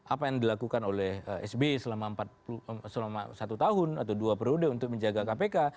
apa yang dilakukan oleh sby selama satu tahun atau dua periode untuk menjaga kpk